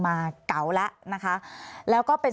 รัฐบาลนี้ใช้วิธีปล่อยให้จนมา๔ปีปีที่๕ค่อยมาแจกเงิน